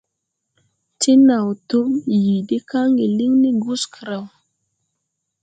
Ti naw tum yii de kaŋge liŋ ni Guskreo.